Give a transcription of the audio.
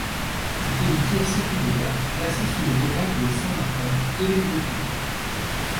C’était une cure séculière placée sous le vocable de saint Martin, évêque de Tours.